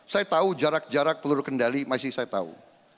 saya tahu jarak jarak peluru kendali masih saya tahu